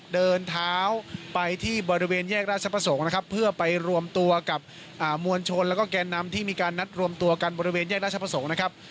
เดินเท้าไปที่บริเวณแยกราชประสงค์นะครับเพื่อไปรวมตัวกับมวลชนแล้วก็แกนนำที่มีการนัดรวมตัวกันบริเวณแยกราชประสงค์นะครับ